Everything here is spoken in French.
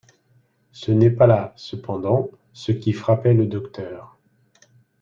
Ce n'est pas là, cependant, ce qui frappait le docteur.